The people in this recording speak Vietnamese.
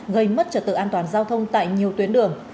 gây mất trật tự an toàn giao thông tại nhiều tuyến đường